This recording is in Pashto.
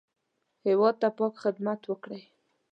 هېواد ته پاک خدمت وکړئ